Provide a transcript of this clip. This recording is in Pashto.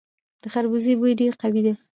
د خربوزې بوی ډیر قوي وي.